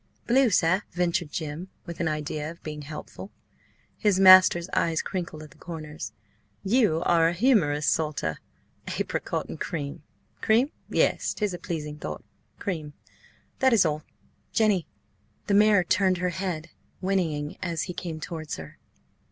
"Blue, sir?" ventured Jim, with an idea of being helpful. His master's eyes crinkled at the corners. "You are a humorist, Salter. Apricot and cream. Cream? Yes, 'tis a pleasing thought–cream. That is all–Jenny!" The mare turned her head, whinnying as he came towards her.